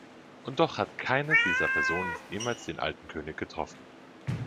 Und doch hat keine dieser Personen jemals den alten König getroffen.